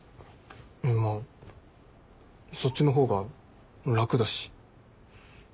まあそっちの方が楽だし。